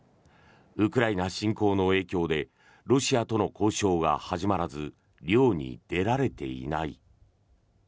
ウクライナ侵攻の影響でロシアとの交渉が始まらず漁に出られていない。